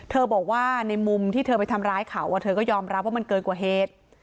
บอกว่าในมุมที่เธอไปทำร้ายเขาเธอก็ยอมรับว่ามันเกินกว่าเหตุ